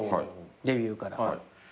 デビューから。